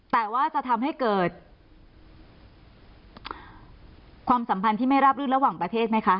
แต่ว่าจะทำให้เกิดความสัมพันธ์ที่ไม่ราบรื่นระหว่างประเทศไหมคะ